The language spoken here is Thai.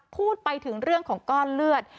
พูดไปถึงเรื่องของก้อนเลือด